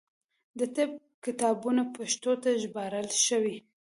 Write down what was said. د طب کتابونه پښتو ته ژباړل شوي.